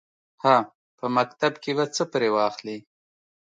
_هه! په مکتب کې به څه پرې واخلې.